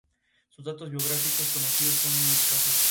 Sus datos biográficos conocidos son muy escasos.